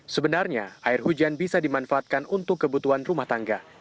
sebenarnya air hujan bisa dimanfaatkan untuk kebutuhan rumah tangga